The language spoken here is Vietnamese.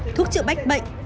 thuốc trựa bách bệnh